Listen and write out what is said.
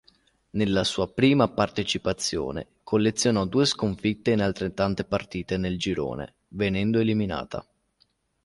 Nella sua prima partecipazione collezionò due sconfitte in altrettante partite nel girone venendo eliminata.